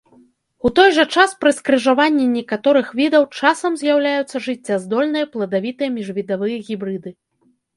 У той жа час пры скрыжаванні некаторых відаў часам з'яўляюцца жыццяздольныя пладавітыя міжвідавыя гібрыды.